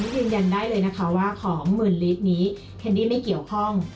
ยืนยันได้เลยนะคะว่าของหมื่นลิตรนี้แคนดี้ไม่เกี่ยวข้อง